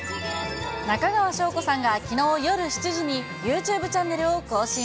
中川翔子さんがきのう夜７時にユーチューブチャンネルを更新。